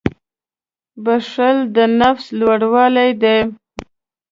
• بښل د نفس لوړوالی دی.